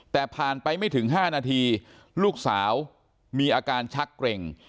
แต่ผ่านไปไม่ถึง๕นาทีลูกสาวมีอาการชักเกร็ง